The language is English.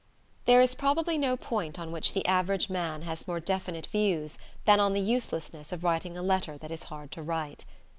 There is probably no point on which the average man has more definite views than on the uselessness of writing a letter that is hard to write.